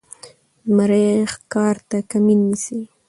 زمری ښکار ته کمین نیسي.